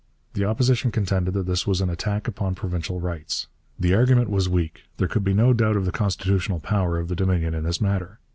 The Opposition contended that this was an attack upon provincial rights. The argument was weak; there could be no doubt of the constitutional power of the Dominion in this matter.